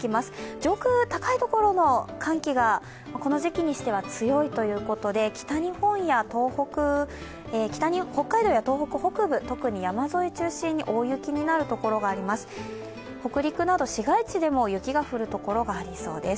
上空高いところの寒気がこの時期にしては強いということで北海道や東北北部、特に山沿い中心に大雪になるところがあります。